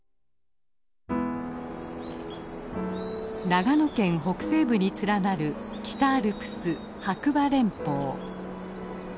長野県北西部に連なる北アルプス白馬連峰。